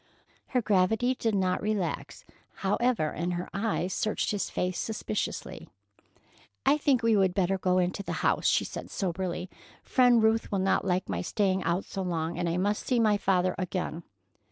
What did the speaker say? Her gravity did not relax, however, and her eyes searched his face suspiciously. "I think we would better go into the house," she said soberly. "Friend Ruth will not like my staying out so long, and I must see my father again."